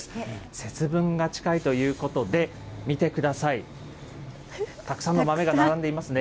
節分が近いということで、見てください、たくさんの豆が並んでいますね。